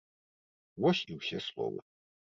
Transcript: Вось і ўсе словы.